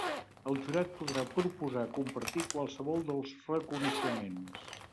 El jurat podrà proposar compartir qualsevol dels reconeixements.